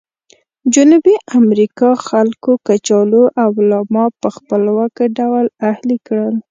جنوبي امریکا خلکو کچالو او لاما په خپلواکه ډول اهلي کړل.